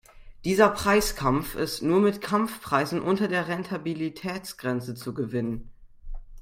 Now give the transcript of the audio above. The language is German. Dieser Preiskampf ist nur mit Kampfpreisen unter der Rentabilitätsgrenze zu gewinnen.